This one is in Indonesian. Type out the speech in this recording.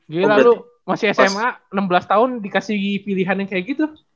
lalu masih sma enam belas tahun dikasih pilihan yang kayak gitu